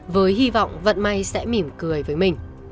với hy vọng vận may sẽ mỉm cười với mình